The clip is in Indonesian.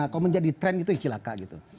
kalau menjadi tren itu ikhlaqah